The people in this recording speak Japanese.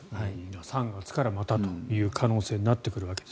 ３月からまたという可能性になってくるわけです。